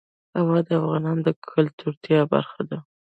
هوا د افغانانو د ګټورتیا برخه ده.